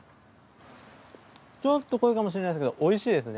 ちょっと濃いかもしれないですけど美味しいですね。